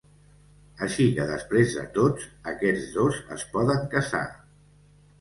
Així que després de tots aquests dos es poden casar.